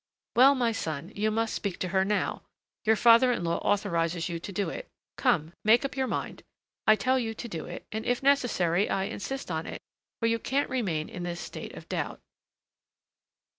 "Well, my son, you must speak to her now; your father in law authorizes you to do it. Come, make up your mind! I tell you to do it, and, if necessary, I insist on it; for you can't remain in this state of doubt."